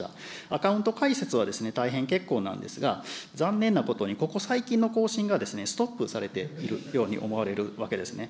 アカウント開設は大変結構なんですが、残念なことにここ最近の更新がストップされているように思われるわけですね。